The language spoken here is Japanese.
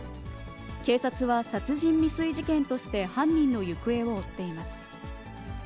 警察は、殺人未遂事件として犯人の行方を追っています。